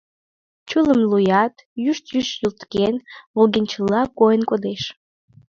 Чулым луят, юшт-юшт юлткен, волгенчыла койын кодеш.